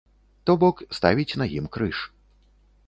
То бок, ставіць на ім крыж.